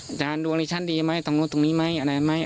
อาจารย์ดวงดิฉันดีไหมตรงนู้นตรงนี้ไหมอะไรไหม